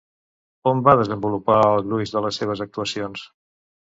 On va desenvolupar el gruix de les seves actuacions?